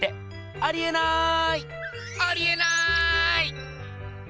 ありえない！